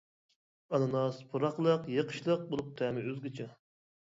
ئاناناس پۇراقلىق، يېقىشلىق بولۇپ، تەمى ئۆزگىچە.